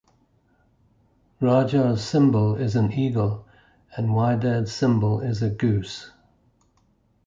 Raja's symbol is an eagle and Wydad's symbol is a goose.